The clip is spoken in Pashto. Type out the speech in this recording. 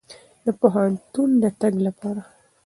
د پوهنتون د تګ لپاره.